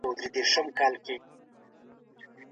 نوې نړۍ نوې غوښتنې لري.